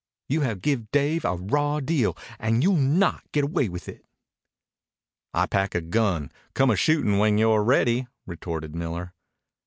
"You have give Dave a raw deal, and you'll not get away with it." "I pack a gun. Come a shootin' when you're ready," retorted Miller.